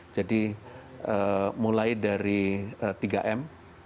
jadi mulai dari tiga m